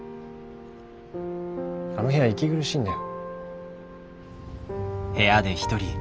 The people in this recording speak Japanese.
あの部屋息苦しいんだよ。